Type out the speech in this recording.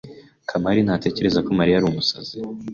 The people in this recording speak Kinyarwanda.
Kamari ntatekereza ko Mariya ari umusazi.